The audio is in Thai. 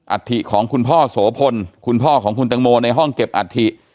ฐิของคุณพ่อโสพลคุณพ่อของคุณตังโมในห้องเก็บอัฐิ